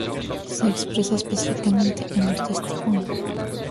Se expresa específicamente en los testículos.